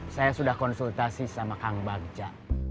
saya sudah konsultasi sama kang bagja